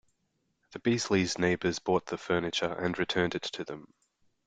The Beasleys' neighbours bought the furniture and returned it to them.